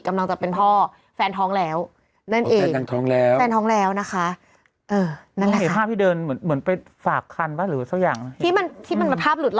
อังกฤษเกาหลีใต้